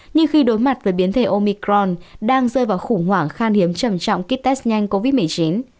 nhưng khi đối mặt với biến thể omicron đang rơi vào khủng hoảng khan hiếm trầm trọng kit test nhanh covid một mươi chín